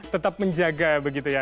tetap menjaga begitu ya